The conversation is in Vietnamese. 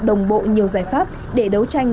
đồng bộ nhiều giải pháp để đấu tranh